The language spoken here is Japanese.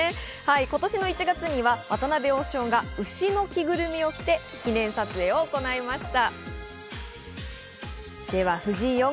今年の１月には渡辺王将が牛の着ぐるみを着て記念撮影を行いました。